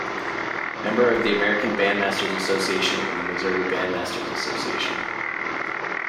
Member of the American Bandmasters Association and the Missouri Bandmasters Association.